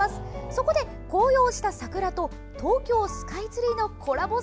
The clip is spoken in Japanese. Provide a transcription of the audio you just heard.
そこで、紅葉した桜と東京スカイツリーのコラボ